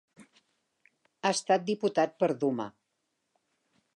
Ha estat diputat per Duma.